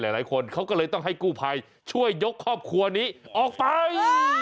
หลายคนเขาก็เลยต้องให้กู้ภัยช่วยยกครอบครัวนี้ออกไป